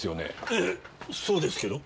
ええそうですけど。